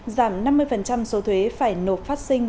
giảm năm mươi số thuế phải nộp phát sinh